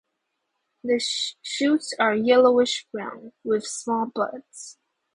The shoots are yellowish-brown, with small buds.